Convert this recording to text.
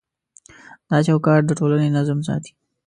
دا چوکاټ د ټولنې نظم ساتي.